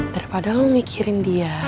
daripada lo mikirin dia